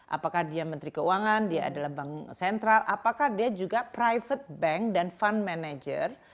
apakah dia menteri keuangan dia adalah bank sentral apakah dia juga private bank dan fund manager